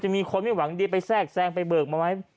มีคนไม่หวังดีไปแทรกแทรงไปเบิกมาไหม